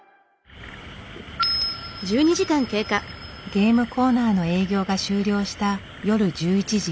ゲームコーナーの営業が終了した夜１１時。